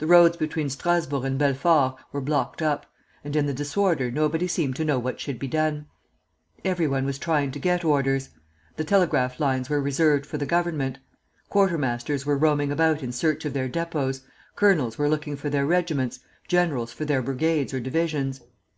The roads between Strasburg and Belfort were blocked up, and in the disorder nobody seemed to know what should be done. Every one was trying to get orders. The telegraph lines were reserved for the Government. Quartermasters were roaming about in search of their depots, colonels were looking for their regiments, generals for their brigades or divisions.